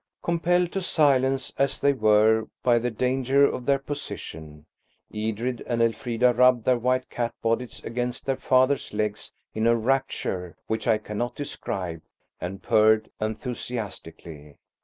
Compelled to silence as they were by the danger of their position, Edred and Elfrida rubbed their white cat bodies against their father's legs in a rapture which I cannot describe and purred enthusiastically.